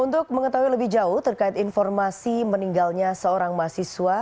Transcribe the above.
untuk mengetahui lebih jauh terkait informasi meninggalnya seorang mahasiswa